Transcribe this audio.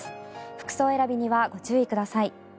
服装選びにはご注意ください。